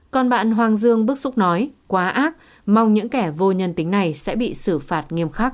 còn bạn hoàng dương bức xúc nói quá ác mong những kẻ vô nhân tính này sẽ bị xử phạt nghiêm khắc